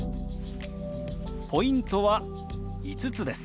ポイントは５つです。